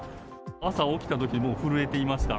朝起きたとき、もう震えていました。